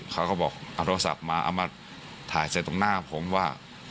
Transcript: เขาก็บอกเอาโทรศัพท์มาเอามาถ่ายใส่ตรงหน้าผมว่า